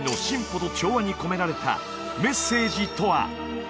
進歩と調和」に込められたメッセージとは？